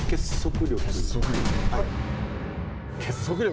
結束力。